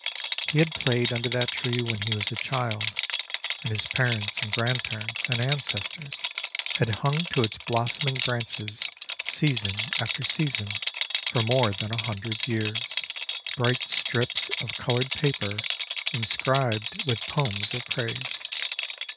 He had played under that tree when he was a child ; and his parents and grandparents and ancestors had hung to its blossoming branches, season after season, for more than a hundred years, bright strips of colored paper inscribed with poems of praise.